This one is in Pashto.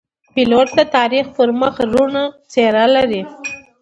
پیلوټ د تاریخ پر مخ روڼ څېره لري.